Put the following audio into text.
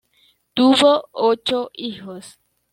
Tuvo ocho hijos.